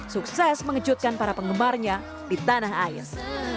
sukses mengejutkan para penggemarnya di tanah air